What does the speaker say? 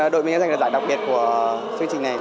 đội mỹ đã giành được giải đặc biệt của chương trình này